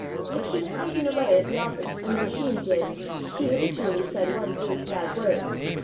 If she was typing a letter at the office and the machine jibbed, she habitually said one brief bad word.